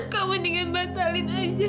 kamu dengan batalin aja